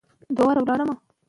که ثبوت وي نو شک نه پیدا کیږي.